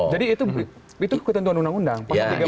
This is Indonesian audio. jadi itu ketentuan undang undang